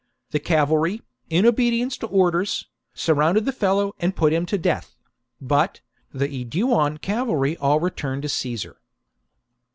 The cavalry, in obedience to orders, surrounded the fellow and put him to death ; but. the Aeduan cavalry all returned to Caesar.